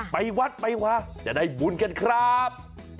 ไปวัดไปวาจะได้บุญกันครับ